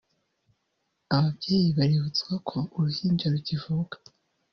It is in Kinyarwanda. Ababyeyi baributswa ko uruhinja rukivuka